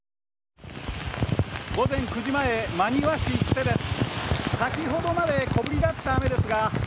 午前９時前、真庭市久世です。